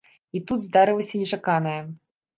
І тут здарылася нечаканае.